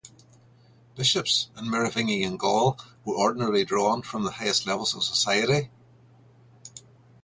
Bishops in Merovingian Gaul were ordinarily drawn from the highest levels of society.